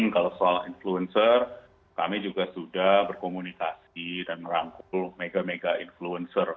kalau soal influencer kami juga sudah berkomunikasi dan merangkul mega mega influencer